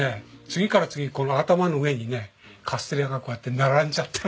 次から次にこの頭の上にねカステラがこうやって並んじゃった。